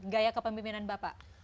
gaya kepemimpinan bapak